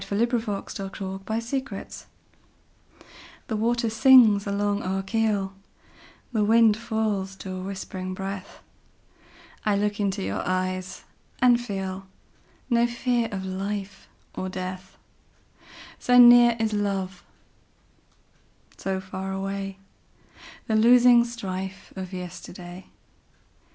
1900. By SophieJewett 1502 Armistice THE WATER sings along our keel, The wind falls to a whispering breath;I look into your eyes and feelNo fear of life or death; So near is love, so far awayThe losing strife of yesterday.